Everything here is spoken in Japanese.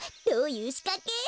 どういうしかけ？